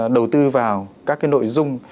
đầu tư vào các cái nội dung